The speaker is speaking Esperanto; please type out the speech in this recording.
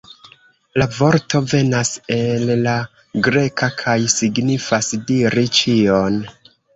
La vorto venas el la greka kaj signifas "diri ĉion".